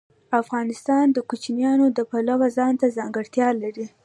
افغانستان د کوچیان د پلوه ځانته ځانګړتیا لري.